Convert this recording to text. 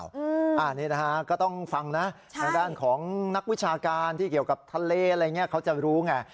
อืมอ่านี่นะคะก็ต้องฟังนะใช่ด้านของนักวิชาการที่เกี่ยวกับทะเลอะไรเงี้ยเขาจะรู้ไง